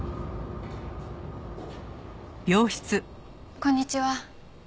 こんにちは。